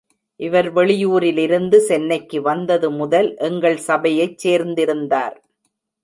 இவர் வெளியூரிலிருந்து சென்னைக்கு வந்தது முதல் எங்கள் சபையைச் சேர்ந்திருந்தார்.